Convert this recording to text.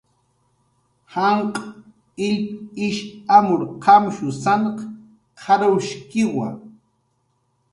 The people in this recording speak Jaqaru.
Janq' illp ish amur qamsanq qarwshkiwa